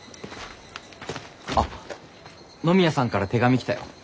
あっ野宮さんから手紙来たよ。